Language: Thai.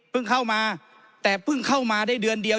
เข้ามาแต่เพิ่งเข้ามาได้เดือนเดียว